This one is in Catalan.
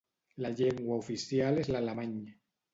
La llengua oficial és l'alemany.